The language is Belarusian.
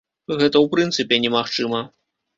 Гэта ў прынцыпе немагчыма.